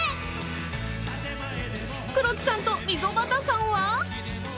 ［黒木さんと溝端さんは］